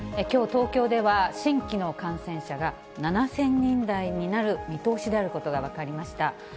きょう、東京では新規の感染者が７０００人台になる見通しであることが分かりました。